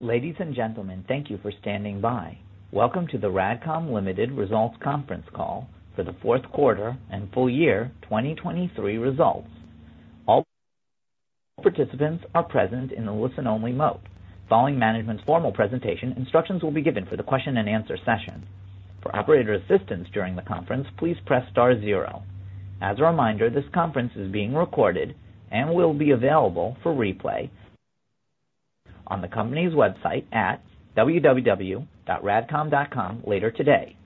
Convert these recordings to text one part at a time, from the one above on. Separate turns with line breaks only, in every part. Ladies and gentlemen, thank you for standing by. Welcome to the RADCOM Ltd. Results Conference Call for the Q4 and full year 2023 results. All participants are present in the listen-only mode. Following management's formal presentation, instructions will be given for the Q&A session. For operator assistance during the conference, please press star zero. As a reminder, this conference is being recorded and will be available for replay on the company's website at www.radcom.com later today.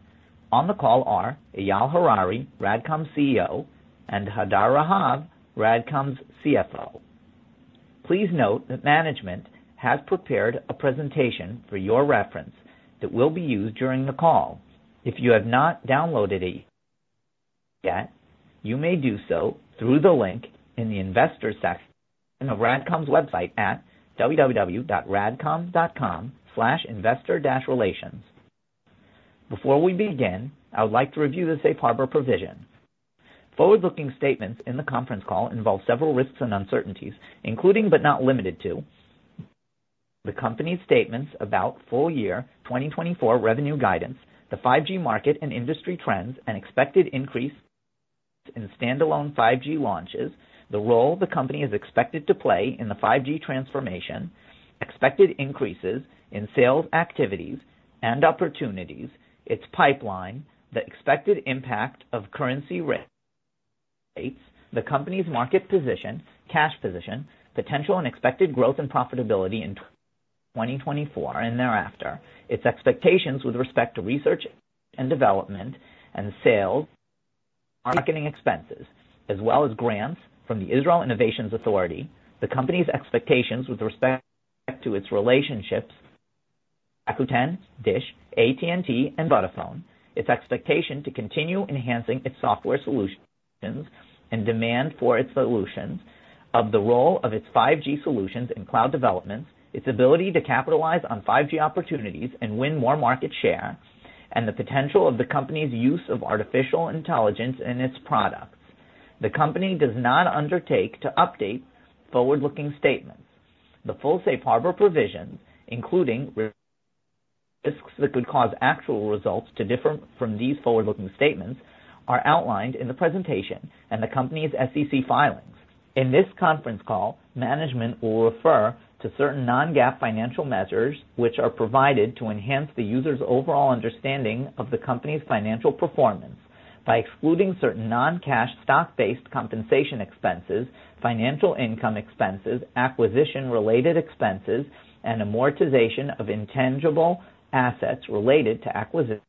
On the call are Eyal Harari, RADCOM's CEO, and Hadar Rahav, RADCOM's CFO. Please note that management has prepared a presentation for your reference that will be used during the call. If you have not downloaded it yet, you may do so through the link in the investor section on RADCOM's website at www.radcom.com/investor-relations. Before we begin, I would like to review the safe harbor provision. Forward-looking statements in the conference call involve several risks and uncertainties, including, but not limited to, the company's statements about full year 2024 revenue guidance, the 5G market and industry trends, and expected increase in standalone 5G launches, the role the company is expected to play in the 5G transformation, expected increases in sales activities and opportunities, its pipeline, the expected impact of currency risk, the company's market position, cash position, potential and expected growth and profitability in 2024 and thereafter. Its expectations with respect to Research and Development and Sales, marketing expenses, as well as grants from the Israel Innovation Authority. The company's expectations with respect to its relationships, Rakuten, DISH, AT&T, and Vodafone. Its expectation to continue enhancing its software solutions and demand for its solutions of the role of its 5G solutions in cloud developments, its ability to capitalize on 5G opportunities and win more market share, and the potential of the company's use of artificial intelligence in its products. The company does not undertake to update forward-looking statements. The full safe harbor provision, including risks that could cause actual results to differ from these forward-looking statements, are outlined in the presentation and the company's SEC filings. In this conference call, management will refer to certain non-GAAP financial measures, which are provided to enhance the user's overall understanding of the company's financial performance. By excluding certain non-cash stock-based compensation expenses, financial income expenses, acquisition-related expenses, and amortization of intangible assets related to acquisitions,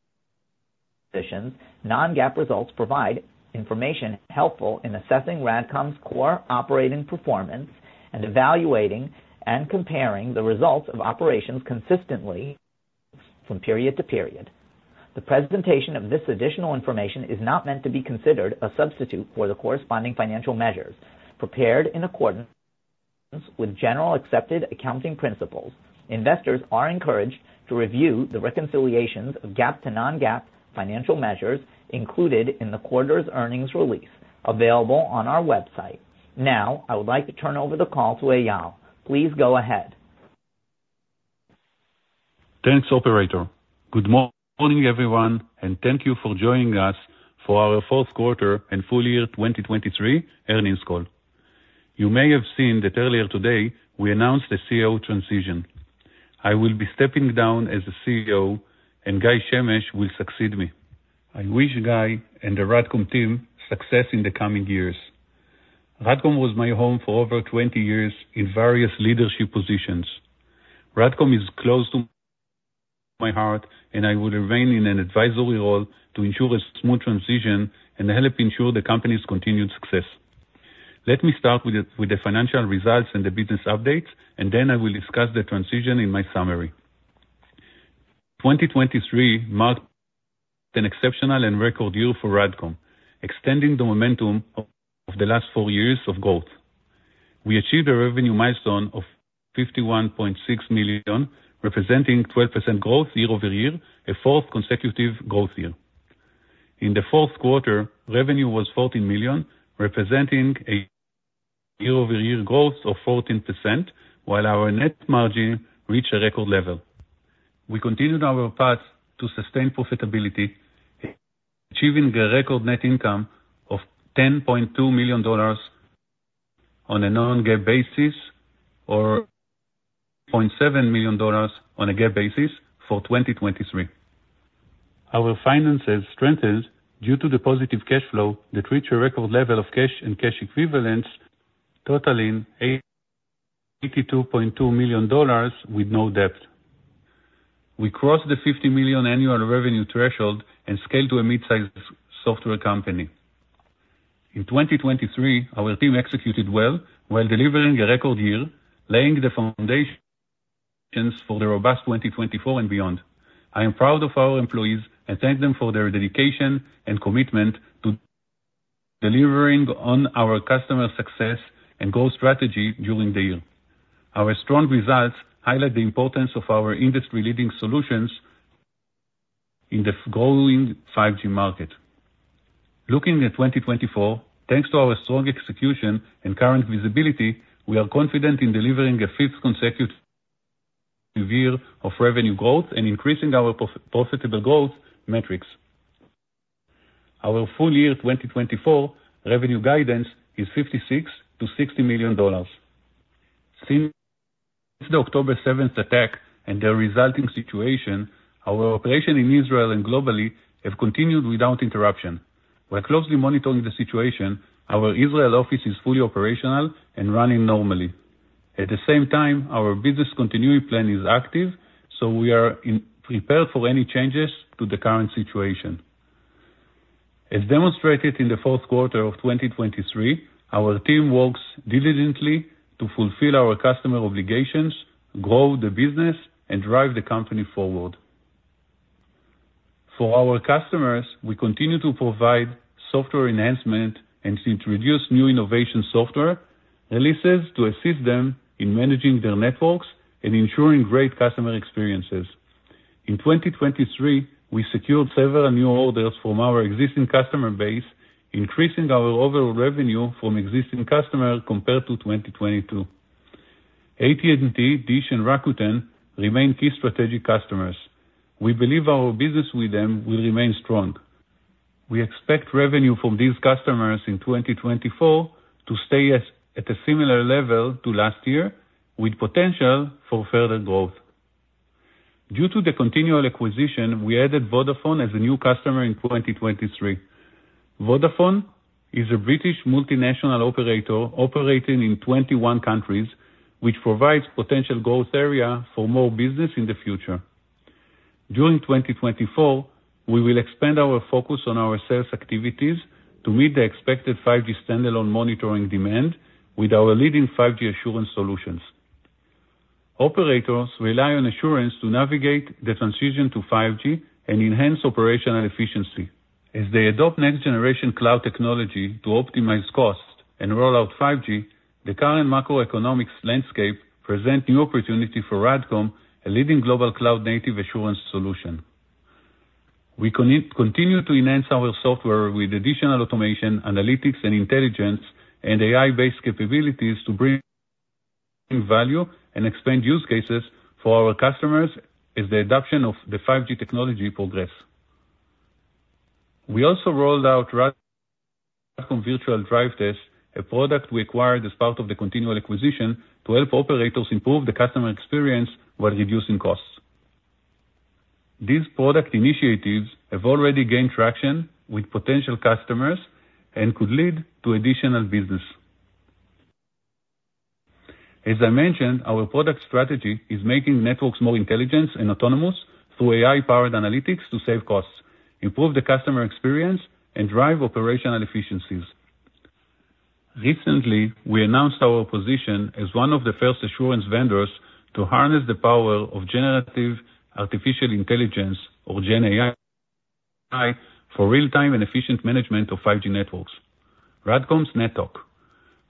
non-GAAP results provide information helpful in assessing RADCOM's core operating performance and evaluating and comparing the results of operations consistently from period to period. The presentation of this additional information is not meant to be considered a substitute for the corresponding financial measures prepared in accordance with generally accepted accounting principles. Investors are encouraged to review the reconciliations of GAAP to non-GAAP financial measures included in the quarter's earnings release available on our website. Now, I would like to turn over the call to Eyal. Please go ahead.
Thanks, operator. Good morning, everyone, and thank you for joining us for our Q4 and full year 2023 earnings call. You may have seen that earlier today we announced a CEO transition. I will be stepping down as the CEO, and Guy Shemesh will succeed me. I wish Guy and the RADCOM team success in the coming years. RADCOM was my home for over 20 years in various leadership positions. RADCOM is close to my heart, and I will remain in an advisory role to ensure a smooth transition and help ensure the company's continued success. Let me start with the financial results and the business updates, and then I will discuss the transition in my summary. 2023 marked an exceptional and record year for RADCOM, extending the momentum of the last four years of growth. We achieved a revenue milestone of $51.6 million, representing 12% growth year-over-year, a fourth consecutive growth year. In the Q4, revenue was $14 million, representing a year-over-year growth of 14%, while our net margin reached a record level. We continued our path to sustain profitability, achieving a record net income of $10.2 million on a non-GAAP basis, or $0.7 million on a GAAP basis for 2023. Our finances strengthened due to the positive cash flow that reached a record level of cash and cash equivalents, totaling $82.2 million with no debt. We crossed the $50 million annual revenue threshold and scaled to a mid-sized software company. In 2023, our team executed well while delivering a record year, laying the foundations for the robust 2024 and beyond. I am proud of our employees and thank them for their dedication and commitment to delivering on our customer success and growth strategy during the year. Our strong results highlight the importance of our industry-leading solutions in this growing 5G market. Looking at 2024, thanks to our strong execution and current visibility, we are confident in delivering a fifth consecutive year of revenue growth and increasing our profitable growth metrics. Our full year 2024 revenue guidance is $56 million-$60 million. Since the October seventh attack and the resulting situation, our operation in Israel and globally have continued without interruption. We're closely monitoring the situation. Our Israel office is fully operational and running normally. At the same time, our business continuity plan is active, so we are prepared for any changes to the current situation. As demonstrated in the fourth quarter of 2023, our team works diligently to fulfill our customer obligations, grow the business, and drive the company forward. For our customers, we continue to provide software enhancement and to introduce new innovation software releases to assist them in managing their networks and ensuring great customer experiences. In 2023, we secured several new orders from our existing customer base, increasing our overall revenue from existing customers compared to 2022. AT&T, DISH, and Rakuten remain key strategic customers. We believe our business with them will remain strong. We expect revenue from these customers in 2024 to stay at a similar level to last year, with potential for further growth. Due to the Continual acquisition, we added Vodafone as a new customer in 2023. Vodafone is a British multinational operator, operating in 21 countries, which provides potential growth area for more business in the future. During 2024, we will expand our focus on our sales activities to meet the expected 5G standalone monitoring demand with our leading 5G assurance solutions. Operators rely on assurance to navigate the transition to 5G and enhance operational efficiency. As they adopt next generation cloud technology to optimize cost and roll out 5G, the current macroeconomics landscape present new opportunity for RADCOM, a leading global cloud native assurance solution. We continue to enhance our software with additional automation, analytics, and intelligence, and AI-based capabilities to bring value and expand use cases for our customers as the adoption of the 5G technology progress. We also rolled out RADCOM Virtual Drive Test, a product we acquired as part of the Continual acquisition, to help operators improve the customer experience while reducing costs. These product initiatives have already gained traction with potential customers and could lead to additional business. As I mentioned, our product strategy is making networks more intelligent and autonomous through AI-powered analytics to save costs, improve the customer experience, and drive operational efficiencies. Recently, we announced our position as one of the first assurance vendors to harness the power of generative artificial intelligence, or GenAI, AI for real-time and efficient management of 5G networks, RADCOM's NetTalk.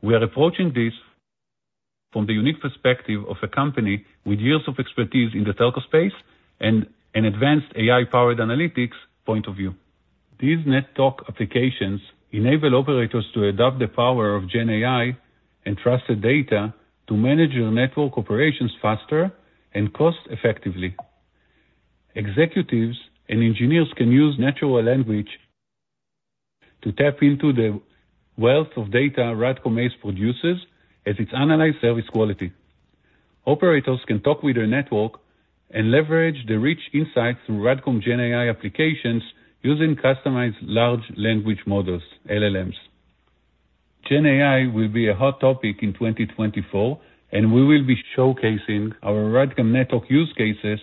We are approaching this from the unique perspective of a company with years of expertise in the telco space and an advanced AI-powered analytics point of view. These NetTalk applications enable operators to adopt the power of GenAI and trusted data to manage their network operations faster and cost effectively. Executives and engineers can use natural language to tap into the wealth of data RADCOM ACE produces as it's analyzed service quality. Operators can talk with their network and leverage the rich insights through RADCOM GenAI applications using customized large language models, LLMs. GenAI will be a hot topic in 2024, and we will be showcasing our RADCOM network use cases,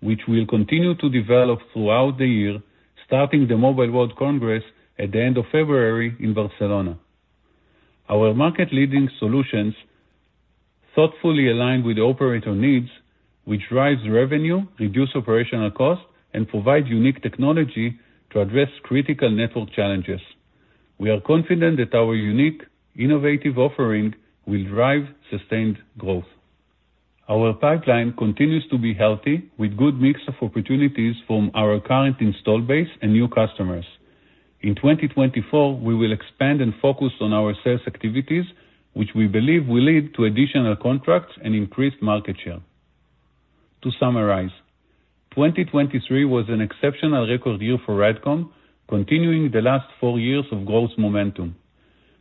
which we'll continue to develop throughout the year, starting the Mobile World Congress at the end of February in Barcelona. Our market leading solutions thoughtfully align with the operator needs, which drives revenue, reduce operational costs, and provides unique technology to address critical network challenges. We are confident that our unique, innovative offering will drive sustained growth. Our pipeline continues to be healthy, with good mix of opportunities from our current install base and new customers. In 2024, we will expand and focus on our sales activities, which we believe will lead to additional contracts and increased market share. To summarize, 2023 was an exceptional record year for RADCOM, continuing the last four years of growth momentum.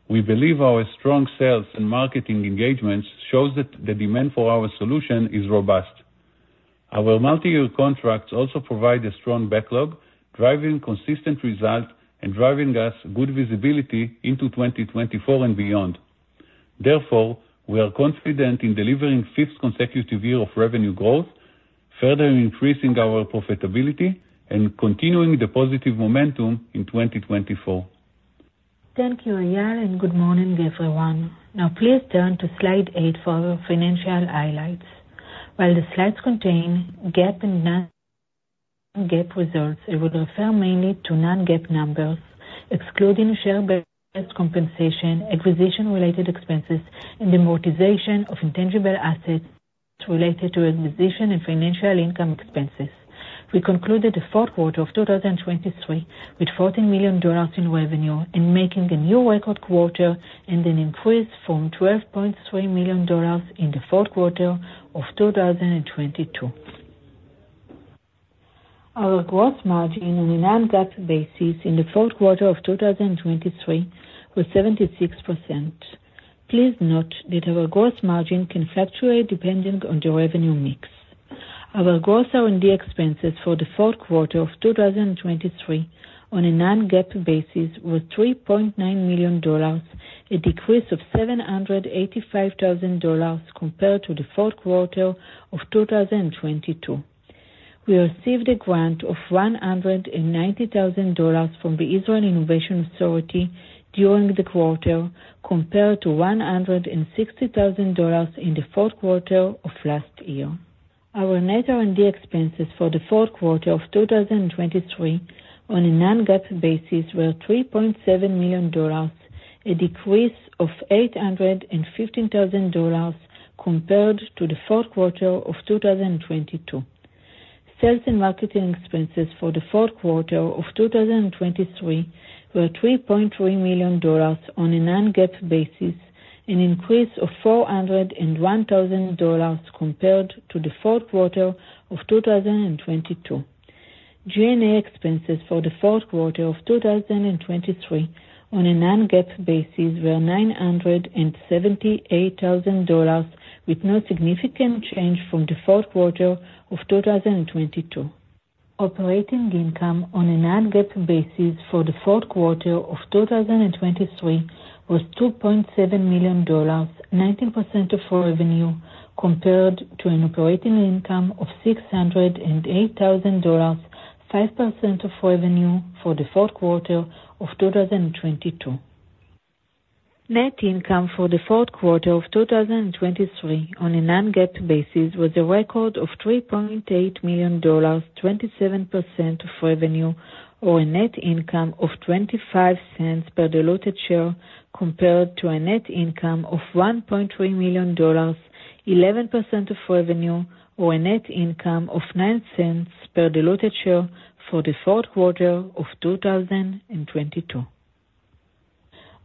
We believe our strong sales and marketing engagements shows that the demand for our solution is robust. Our multi-year contracts also provide a strong backlog, driving consistent results and driving us good visibility into 2024 and beyond. Therefore, we are confident in delivering fifth consecutive year of revenue growth, further increasing our profitability and continuing the positive momentum in 2024.
Thank you, Eyal, and good morning, everyone. Now, please turn to slide eight for our financial highlights. While the slides contain GAAP and non-GAAP results, it would refer mainly to non-GAAP numbers, excluding share-based compensation, acquisition-related expenses, and amortization of intangible assets related to acquisition and financial income expenses. We concluded the Q4 of 2023 with $14 million in revenue and making a new record quarter and an increase from $12.3 million in the Q4 of 2022. Our gross margin on a non-GAAP basis in the Q4 of 2023 was 76%. Please note that our gross margin can fluctuate depending on the revenue mix. Our gross R&D expenses for the Q4 of 2023 on a Non-GAAP basis were $3.9 million, a decrease of $785,000 compared to the Q4 of 2022. We received a grant of $190,000 from the Israel Innovation Authority during the quarter, compared to $160,000 in the Q4 of last year. Our net R&D expenses for the Q4 of 2023 on a Non-GAAP basis were $3.7 million, a decrease of $815,000 compared to the Q4 of 2022. Sales and marketing expenses for the Q4 of 2023 were $3.3 million on a non-GAAP basis, an increase of $401,000 compared to the Q4 of 2022. G&A expenses for the Q4 of 2023 on a non-GAAP basis were $978,000, with no significant change from the Q4 of 2022. Operating income on a non-GAAP basis for the Q4 of 2023 was $2.7 million, 19% of revenue, compared to an operating income of $608,000, 5% of revenue for the Q4 of 2022. Net income for the Q4 of 2023 on a non-GAAP basis was a record of $3.8 million, 27% of revenue, or a net income of $0.25 per diluted share, compared to a net income of $1.3 million, 11% of revenue, or a net income of $0.09 per diluted share for the Q4 of 2022.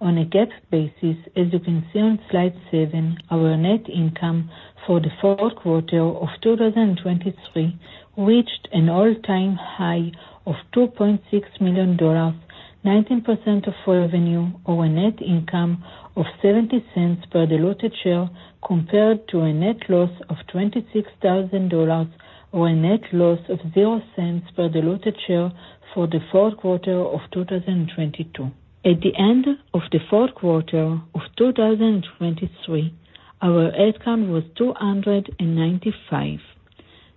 On a GAAP basis, as you can see on slide seven, our net income for the Q4 of 2023 reached an all-time high of $2.6 million, 19% of revenue, or a net income of $0.70 per diluted share, compared to a net loss of $26,000 or a net loss of $0.00 per diluted share for the Q4 of 2022. At the end of the Q4 of 2023, our outcome was 295.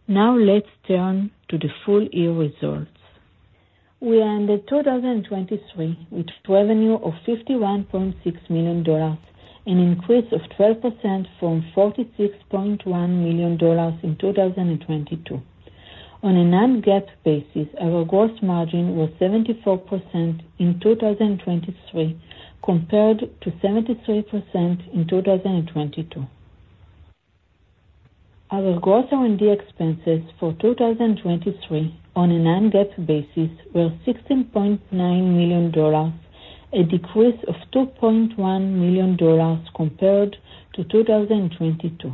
Now let's turn to the full year results. We ended 2023 with revenue of $51.6 million, an increase of 12% from $46.1 million in 2022. On a non-GAAP basis, our gross margin was 74% in 2023, compared to 73% in 2022. Our gross R&D expenses for 2023 on a non-GAAP basis were $16.9 million, a decrease of $2.1 million compared to 2022.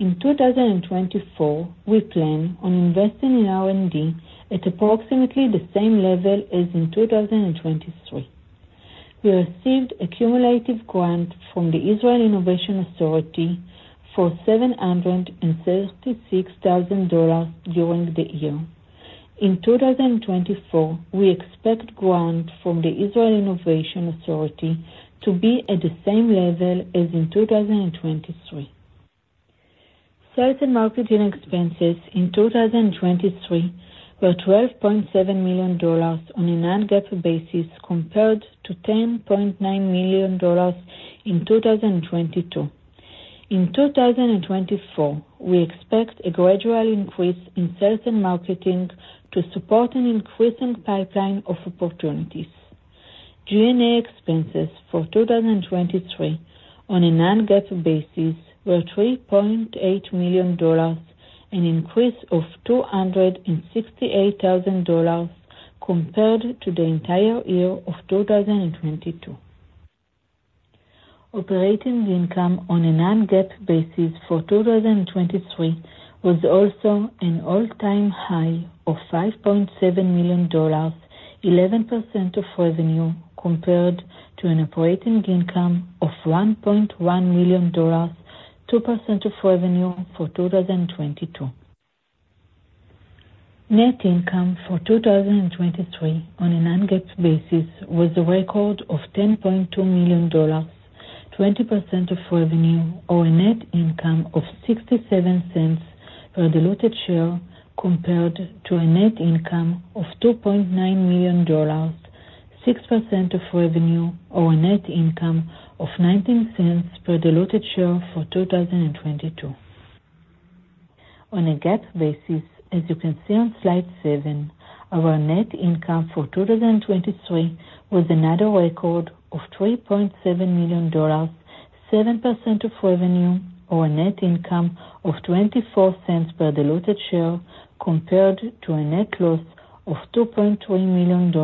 In 2024, we plan on investing in R&D at approximately the same level as in 2023. We received a cumulative grant from the Israel Innovation Authority for $736,000 during the year. In 2024, we expect grant from the Israel Innovation Authority to be at the same level as in 2023. Sales and marketing expenses in 2023 were $12.7 million on a non-GAAP basis, compared to $10.9 million in 2022. In 2024, we expect a gradual increase in sales and marketing to support an increasing pipeline of opportunities. G&A expenses for 2023 on a non-GAAP basis were $3.8 million, an increase of $268,000 compared to the entire year of 2022. Operating income on a non-GAAP basis for 2023 was also an all-time high of $5.7 million, 11% of revenue, compared to an operating income of $1.1 million, 2% of revenue for 2022. Net income for 2023 on a non-GAAP basis was a record of $10.2 million, 20% of revenue, or a net income of $0.67 per diluted share, compared to a net income of $2.9 million, 6% of revenue, or a net income of $0.19 per diluted share for 2022. On a GAAP basis, as you can see on slide seven, our net income for 2023 was another record of $3.7 million, 7% of revenue, or a net income of $0.24 per diluted share, compared to a net loss of $2.3 million,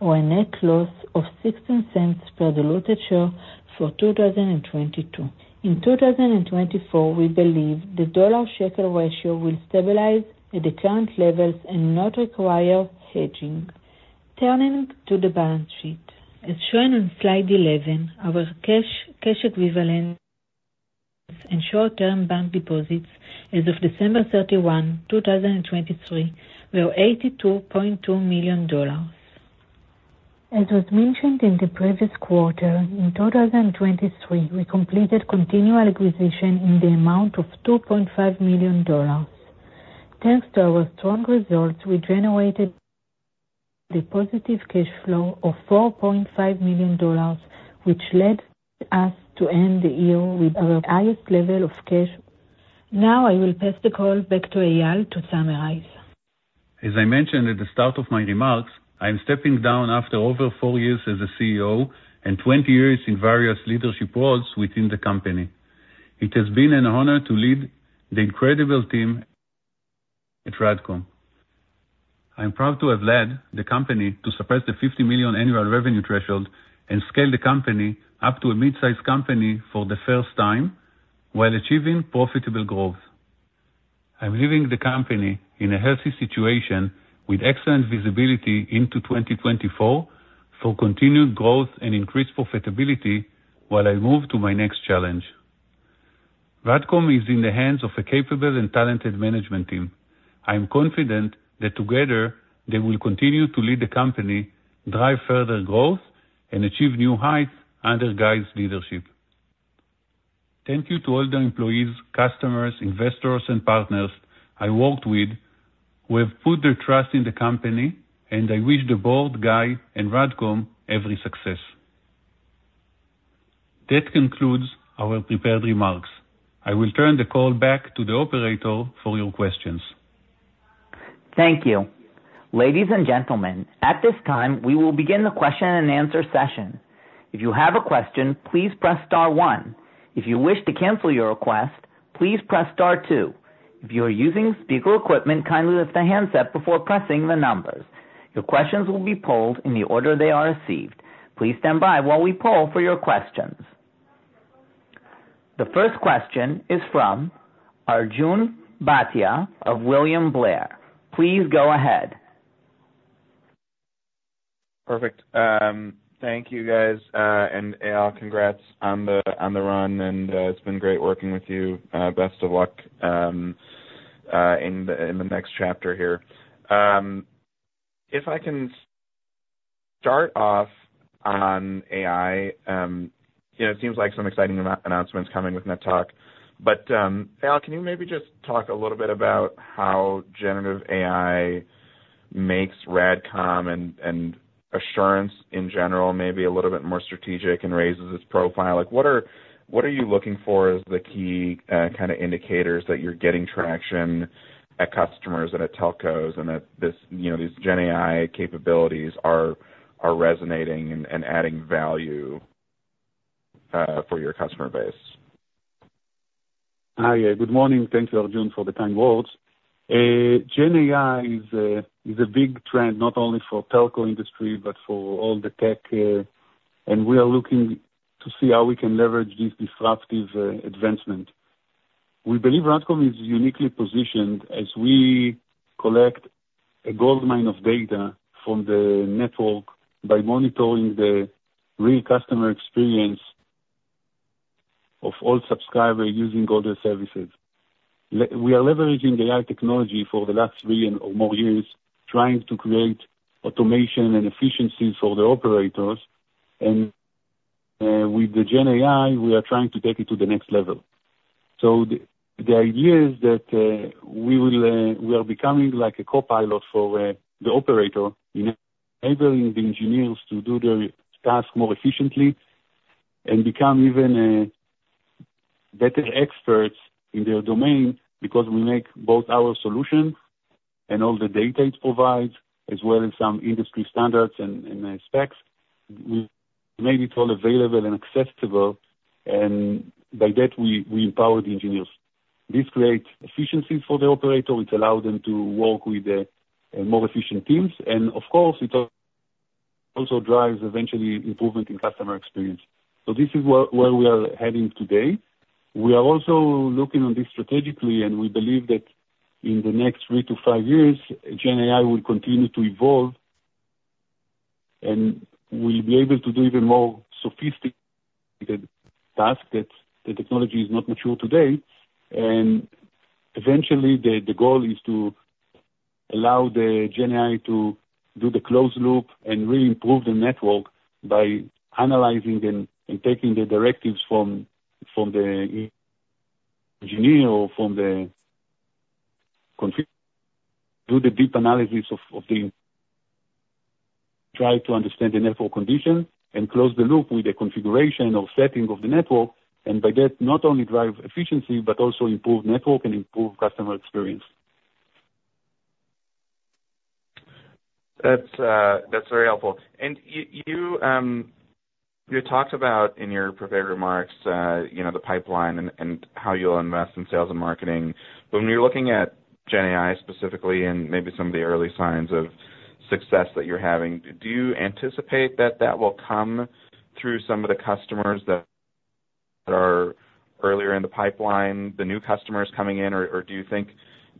or a net loss of $0.16 per diluted share for 2022. In 2024, we believe the dollar shekel ratio will stabilize at the current levels and not require hedging. Turning to the balance sheet. As shown on slide 11, our cash, cash equivalents and short-term bank deposits as of December 31, 2023, were $82.2 million. As was mentioned in the previous quarter, in 2023, we completed Continual acquisition in the amount of $2.5 million. Thanks to our strong results, we generated the positive cash flow of $4.5 million, which led us to end the year with our highest level of cash. Now, I will pass the call back to Eyal to summarize.
As I mentioned at the start of my remarks, I am stepping down after over four years as a CEO and 20 years in various leadership roles within the company. It has been an honor to lead the incredible team at RADCOM. I am proud to have led the company to surpass the $50 million annual revenue threshold and scale the company up to a mid-size company for the first time while achieving profitable growth. I'm leaving the company in a healthy situation, with excellent visibility into 2024 for continued growth and increased profitability, while I move to my next challenge. RADCOM is in the hands of a capable and talented management team. I am confident that together, they will continue to lead the company, drive further growth, and achieve new heights under Guy's leadership. Thank you to all the employees, customers, investors, and partners I worked with, who have put their trust in the company, and I wish the board, Guy, and RADCOM every success. That concludes our prepared remarks. I will turn the call back to the operator for your questions.
Thank you. Ladies and gentlemen, at this time, we will begin the Q&A session. If you have a question, please press star one. If you wish to cancel your request, please press star two. If you are using speaker equipment, kindly lift the handset before pressing the numbers. Your questions will be polled in the order they are received. Please stand by while we poll for your questions. The first question is from Arjun Bhatia of William Blair. Please go ahead.
Perfect. Thank you, guys. And Eyal, congrats on the run, and it's been great working with you. Best of luck in the next chapter here. If I can start off on AI, you know, it seems like some exciting announcements coming with NetTalk. But, Eyal, can you maybe just talk a little bit about how generative AI makes RADCOM and assurance in general maybe a little bit more strategic and raises its profile? Like, what are you looking for as the key kind of indicators that you're getting traction at customers and at telcos, and that this, you know, these GenAI capabilities are resonating and adding value for your customer base?
Hi. Good morning. Thank you, Arjun, for the kind words. GenAI is a big trend not only for telco industry, but for all the tech, and we are looking to see how we can leverage this disruptive advancement. We believe RADCOM is uniquely positioned as we collect a goldmine of data from the network by monitoring the real customer experience of all subscribers using all their services. We are leveraging AI technology for the last three or more years, trying to create automation and efficiency for the operators, and with the GenAI, we are trying to take it to the next level. So the idea is that we are becoming like a copilot for the operator, enabling the engineers to do their task more efficiently and become even better experts in their domain. Because we make both our solutions and all the data it provides, as well as some industry standards and specs, we make it all available and accessible, and by that, we empower the engineers. This creates efficiency for the operator, which allow them to work with more efficient teams, and of course, it also drives, eventually, improvement in customer experience. So this is where we are heading today. We are also looking on this strategically, and we believe that in the next three to five years, GenAI will continue to evolve, and we'll be able to do even more sophistic- task that the technology is not mature today. And eventually, the goal is to allow the GenAI to do the closed loop and really improve the network by analyzing and taking the directives from the engineer or from the country, do the deep analysis, try to understand the network condition and close the loop with the configuration or setting of the network, and by that, not only drive efficiency, but also improve network and improve customer experience.
That's, that's very helpful. And you, you talked about in your prepared remarks, you know, the pipeline and, and how you'll invest in sales and marketing. But when you're looking at GenAI specifically, and maybe some of the early signs of success that you're having, do you anticipate that that will come through some of the customers that are earlier in the pipeline, the new customers coming in? Or, or do you think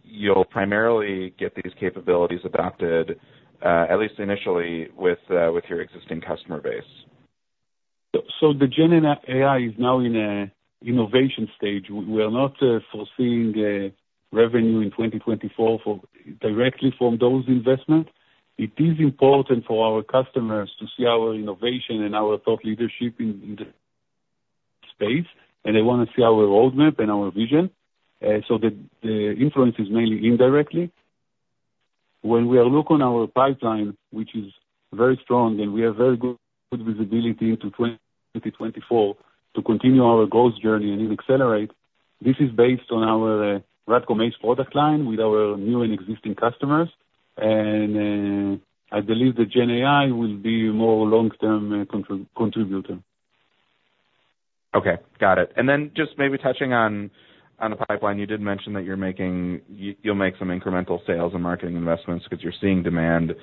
you'll primarily get these capabilities adopted, at least initially, with, with your existing customer base?
So the GenAI is now in an innovation stage. We are not foreseeing a revenue in 2024 directly from those investments. It is important for our customers to see our innovation and our thought leadership in the space, and they want to see our roadmap and our vision. So the influence is mainly indirectly. When we look on our pipeline, which is very strong, and we have very good visibility into 2024 to continue our growth journey and accelerate, this is based on our RADCOM ACE product line with our new and existing customers. And I believe the GenAI will be more long-term contributor.
Okay, got it. And then just maybe touching on the pipeline, you did mention that you're making... you'll make some incremental sales and marketing investments because you're seeing demand,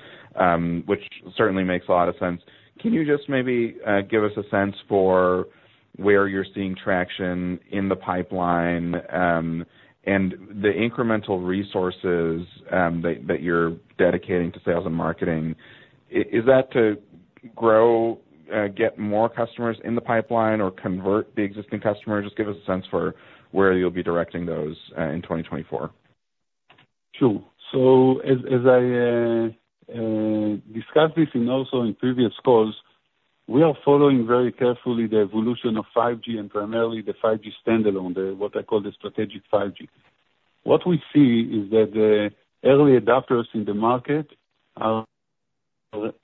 which certainly makes a lot of sense. Can you just maybe give us a sense for where you're seeing traction in the pipeline, and the incremental resources that you're dedicating to sales and marketing, is that to grow, get more customers in the pipeline or convert the existing customers? Just give us a sense for where you'll be directing those in 2024.
Sure. So as I discussed this and also in previous calls, we are following very carefully the evolution of 5G and primarily the 5G standalone, the what I call the strategic 5G. What we see is that the early adopters in the market are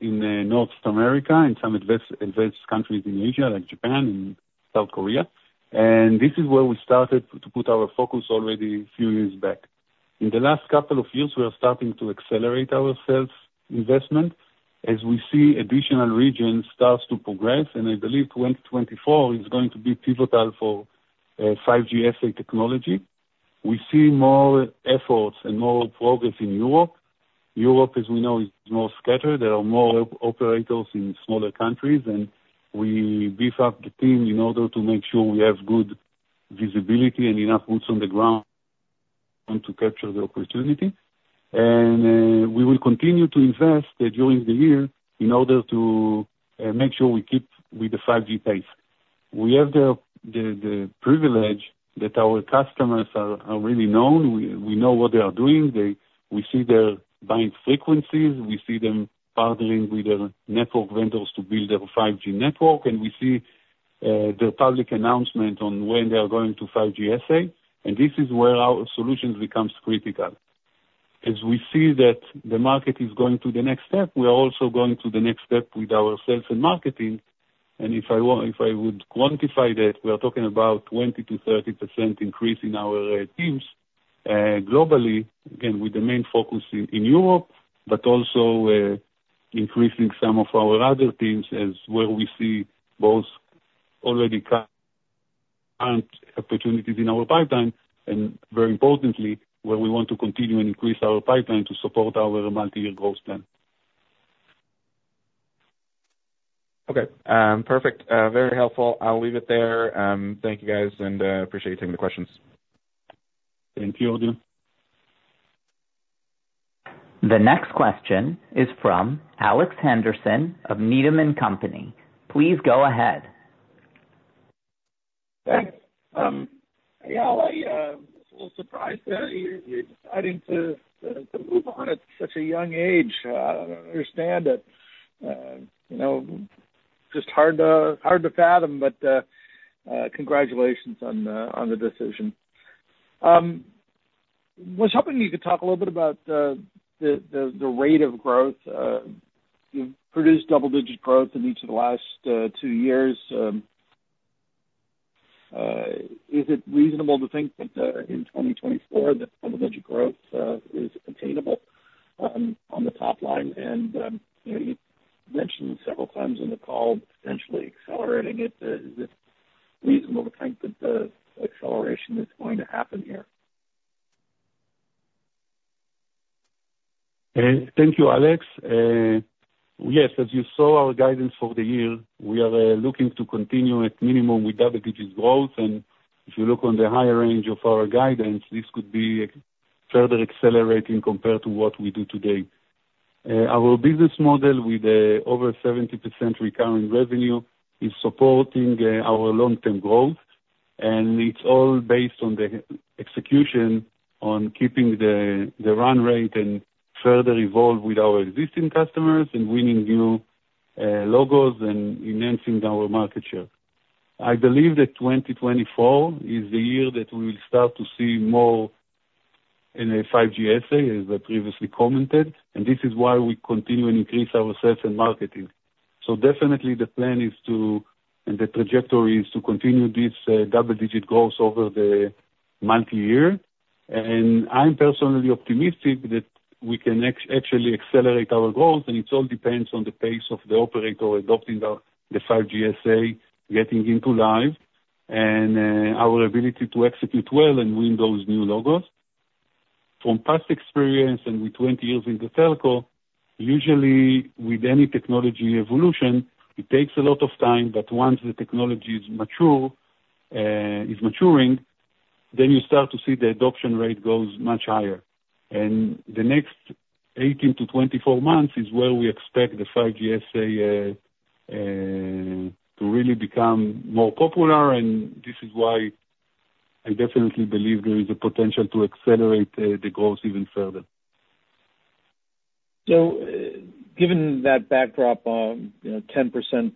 in North America and some advanced countries in Asia, like Japan and South Korea, and this is where we started to put our focus already a few years back. In the last couple of years, we are starting to accelerate our sales investment as we see additional regions start to progress, and I believe 2024 is going to be pivotal for 5G SA technology. We see more efforts and more progress in Europe. Europe, as we know, is more scattered. There are more operators in smaller countries, and we beef up the team in order to make sure we have good visibility and enough boots on the ground to capture the opportunity. We will continue to invest during the year in order to make sure we keep with the 5G pace. We have the privilege that our customers are really known. We know what they are doing. We see their buying frequencies, we see them partnering with their network vendors to build their 5G network, and we see the public announcement on when they are going to 5G SA, and this is where our solutions becomes critical. As we see that the market is going to the next step, we are also going to the next step with our sales and marketing, and if I would quantify that, we are talking about 20%-30% increase in our teams globally, again, with the main focus in Europe, but also increasing some of our other teams as where we see both already current opportunities in our pipeline, and very importantly, where we want to continue and increase our pipeline to support our multi-year growth plan.
Okay. Perfect. Very helpful. I'll leave it there. Thank you, guys, and appreciate you taking the questions.
Thank you, Arjun.
The next question is from Alex Henderson of Needham & Company. Please go ahead.
Thanks. Yeah, I was surprised that you're deciding to move on at such a young age. I don't understand it. You know, just hard to fathom, but congratulations on the decision. Was hoping you could talk a little bit about the rate of growth. You've produced double-digit growth in each of the last two years. Is it reasonable to think that in 2024, that double-digit growth is attainable on the top line? And you know, you've mentioned several times on the call, potentially accelerating it. Is it reasonable to think that the acceleration is going to happen here?
Thank you, Alex. Yes, as you saw our guidance for the year, we are looking to continue at minimum with double-digit growth, and if you look on the higher range of our guidance, this could be further accelerating compared to what we do today. Our business model with over 70% recurring revenue is supporting our long-term growth, and it's all based on the execution, on keeping the run rate and further evolve with our existing customers and winning new logos and enhancing our market share. I believe that 2024 is the year that we will start to see more in a 5G SA, as I previously commented, and this is why we continue and increase our sales and marketing. So definitely the plan is to, and the trajectory is to continue this double-digit growth over the multi-year. I'm personally optimistic that we can actually accelerate our growth, and it all depends on the pace of the operator adopting the 5G SA getting into live, and our ability to execute well and win those new logos. From past experience, and with 20 years in the telco, usually with any technology evolution, it takes a lot of time, but once the technology is mature, is maturing, then you start to see the adoption rate goes much higher. The next 18-24 months is where we expect the 5G SA to really become more popular, and this is why I definitely believe there is a potential to accelerate the growth even further.
So, given that backdrop of, you know, 10%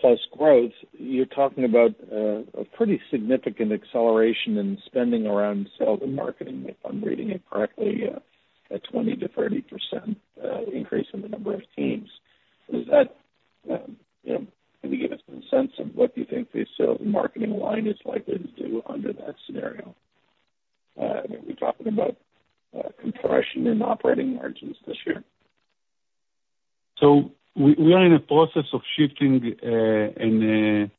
plus growth, you're talking about a pretty significant acceleration in spending around sales and marketing, if I'm reading it correctly, a 20%-30% increase in the number of teams. Is that, you know, can you give us some sense of what you think the sales and marketing line is likely to do under that scenario? Are we talking about compression in operating margins this year?
So we are in the process of shifting and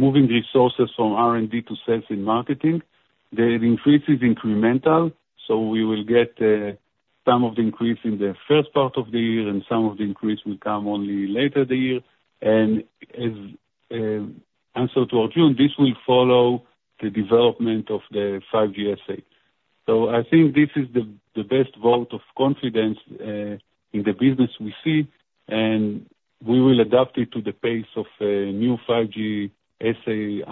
moving resources from R&D to sales and marketing. The increase is incremental, so we will get some of the increase in the first part of the year, and some of the increase will come only later the year. And as answer to Arjun, this will follow the development of the 5G SA. So I think this is the best vote of confidence in the business we see, and we will adapt it to the pace of new 5G SA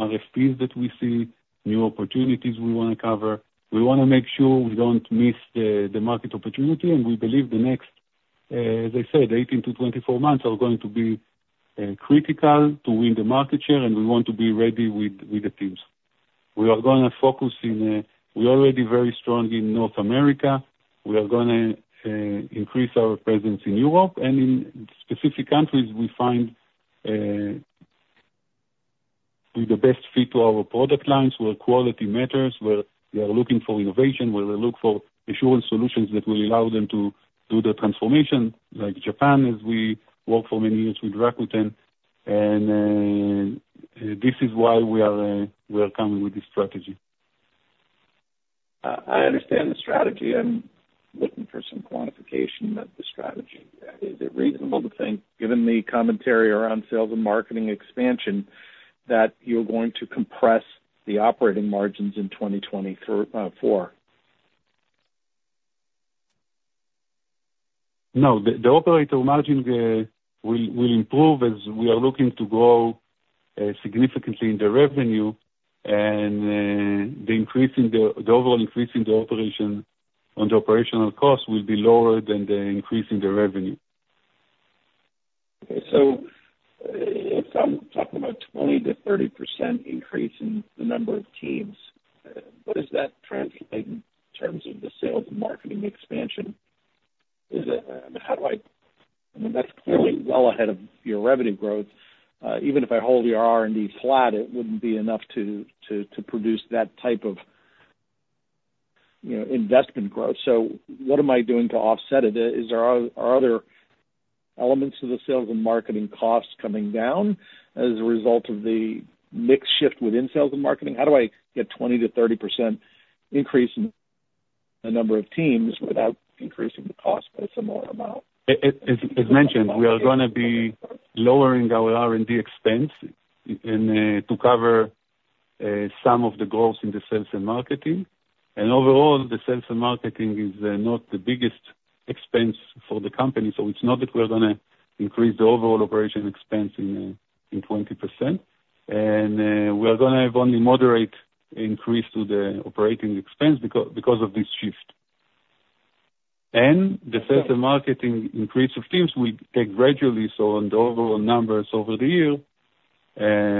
RFPs that we see, new opportunities we wanna cover. We wanna make sure we don't miss the market opportunity, and we believe the next, as I said, 18-24 months are going to be critical to win the market share, and we want to be ready with the teams. We are gonna focus in... we're already very strong in North America. We are gonna increase our presence in Europe and in specific countries we find with the best fit to our product lines, where quality matters, where we are looking for innovation, where we look for assurance solutions that will allow them to do the transformation, like Japan, as we work for many years with Rakuten. This is why we are coming with this strategy.
I, I understand the strategy. I'm looking for some quantification of the strategy. Is it reasonable to think, given the commentary around sales and marketing expansion, that you're going to compress the operating margins in 2024?
No, the operating margin will improve as we are looking to grow significantly in the revenue. And the increase in the overall increase in the operating operational costs will be lower than the increase in the revenue.
Okay, so if I'm talking about 20%-30% increase in the number of teams, what does that translate in terms of the sales and marketing expansion? Is it... How do I... I mean, that's clearly well ahead of your revenue growth. Even if I hold your R&D flat, it wouldn't be enough to produce that type of, you know, investment growth. So what am I doing to offset it? Are other elements of the sales and marketing costs coming down as a result of the mix shift within sales and marketing? How do I get 20%-30% increase in the number of teams without increasing the cost by a similar amount?
As mentioned, we are gonna be lowering our R&D expense and to cover some of the goals in the sales and marketing. Overall, the sales and marketing is not the biggest expense for the company, so it's not that we're gonna increase the overall operating expense in 20%. We are gonna have only moderate increase to the operating expense because of this shift. The sales and marketing increase of teams will take gradually, so on the overall numbers over the year,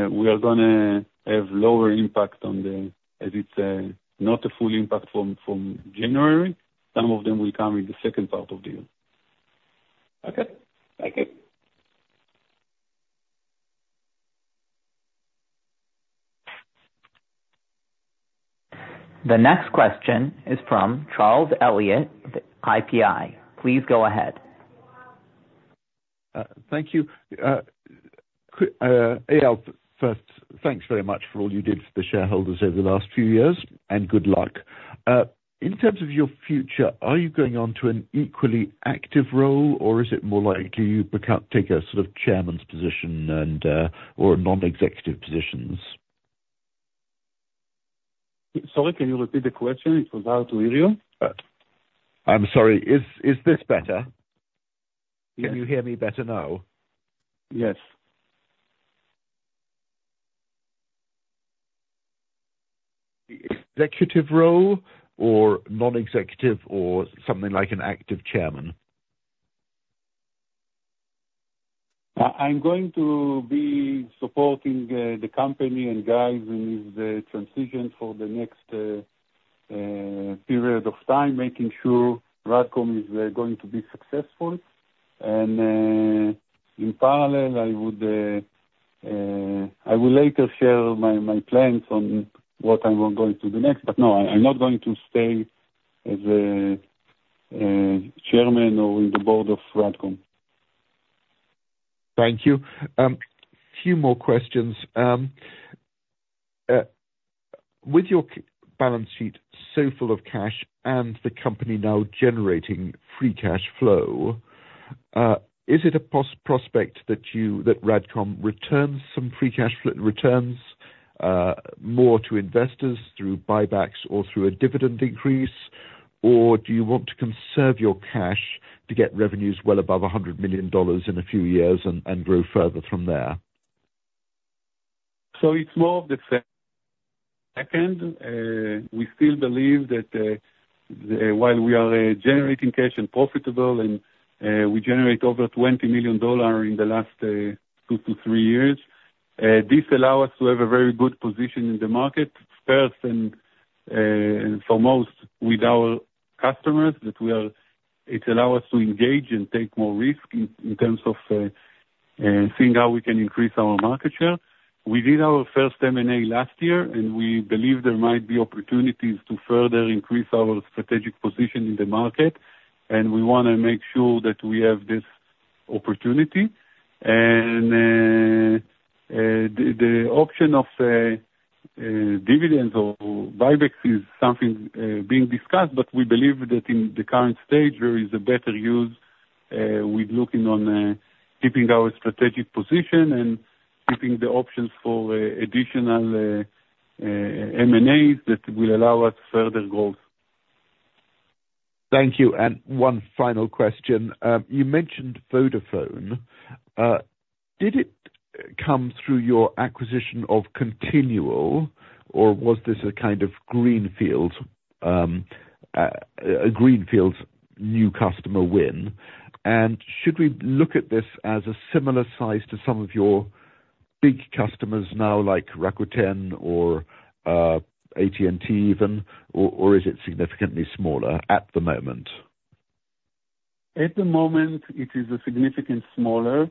we are gonna have lower impact on the... as it's not a full impact from January. Some of them will come in the second part of the year.
Okay. Thank you.
The next question is from Charles Elliott, IPI. Please go ahead.
Thank you. Eyal, first, thanks very much for all you did for the shareholders over the last few years, and good luck. In terms of your future, are you going on to an equally active role, or is it more likely you become, take a sort of chairman's position and, or non-executive positions?
Sorry, can you repeat the question? It was hard to hear you.
I'm sorry. Is this better?
Yes.
Can you hear me better now?
Yes.
Executive role or non-executive, or something like an active chairman?...
I'm going to be supporting the company and guys with the transition for the next period of time, making sure RADCOM is going to be successful. And in parallel, I will later share my plans on what I'm going to do next, but no, I'm not going to stay as a chairman or in the board of RADCOM.
Thank you. Few more questions. With your balance sheet so full of cash and the company now generating free cash flow, is it a prospect that you, that RADCOM returns some free cash flow, returns more to investors through buybacks or through a dividend increase? Or do you want to conserve your cash to get revenues well above $100 million in a few years and grow further from there?
So it's more of the second, we still believe that, while we are, generating cash and profitable, and, we generate over $20 million in the last, two to three years, this allow us to have a very good position in the market, first and, and foremost, with our customers, that we are... It allow us to engage and take more risk in, in terms of, seeing how we can increase our market share. We did our first M&A last year, and we believe there might be opportunities to further increase our strategic position in the market, and we want to make sure that we have this opportunity. The option of dividends or buybacks is something being discussed, but we believe that in the current stage, there is a better use with looking on keeping our strategic position and keeping the options for additional M&As that will allow us further growth.
Thank you. And one final question. You mentioned Vodafone. Did it come through your acquisition of Continual, or was this a kind of greenfield, a greenfield new customer win? And should we look at this as a similar size to some of your big customers now, like Rakuten or, AT&T even, or, or is it significantly smaller at the moment?
At the moment, it is a significant smaller.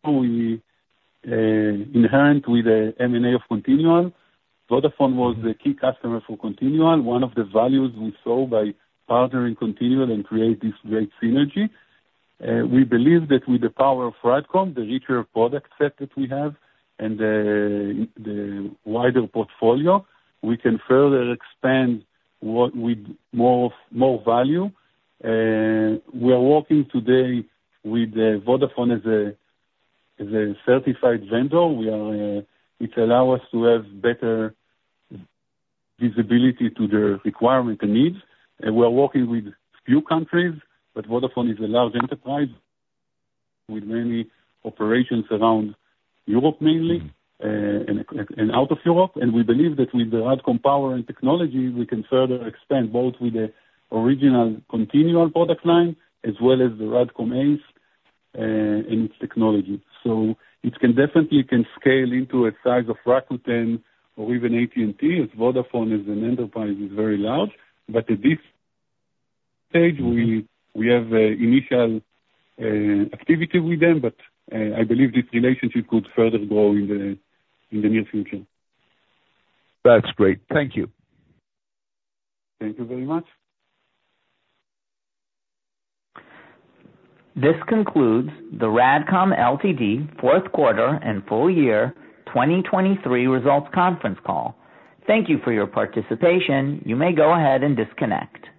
It is a customer we inherit with the M&A of Continual. Vodafone was the key customer for Continual, one of the values we saw by partnering Continual and create this great synergy. We believe that with the power of RADCOM, the richer product set that we have, and the wider portfolio, we can further expand what we more value. We are working today with Vodafone as a certified vendor. It allows us to have better visibility to their requirement and needs. We are working with few countries, but Vodafone is a large enterprise with many operations around Europe mainly and out of Europe. We believe that with the RADCOM power and technology, we can further expand, both with the original Continual product line, as well as the RADCOM ACE, and its technology. So it can definitely scale into a size of Rakuten or even AT&T, as Vodafone, as an enterprise, is very large. But at this stage, we have initial activity with them, but I believe this relationship could further grow in the near future.
That's great. Thank you.
Thank you very much.
This concludes the RADCOM Ltd. Q4 and full year 2023 results conference call. Thank you for your participation. You may go ahead and disconnect.